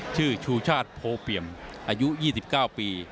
ชื่อชูชาติโพเปี่ยมอายุ๒๙ปี